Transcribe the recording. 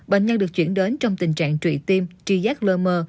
bệnh nhân được chuyển đến trong tình trạng trụy tim tri giác lơ mơ